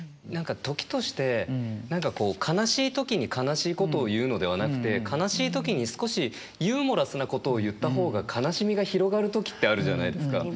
時として何かこう悲しい時に悲しいことを言うのではなくて悲しい時に少しユーモラスなことを言った方が悲しみが広がる時ってあるじゃないですか。